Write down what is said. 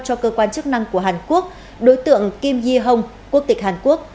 cho cơ quan chức năng của hàn quốc đối tượng kim yi hong quốc tịch hàn quốc